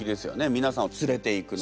皆さんを連れていくのが。